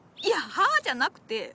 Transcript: いや「はあ？」じゃなくて。